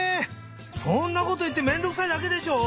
そんなこといってめんどくさいだけでしょ！？